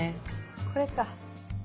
これか。